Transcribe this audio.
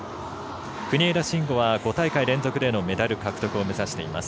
国枝慎吾は５大会連続でのメダル獲得を目指しています。